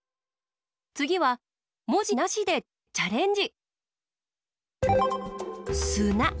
つぎはもじなしでチャレンジ！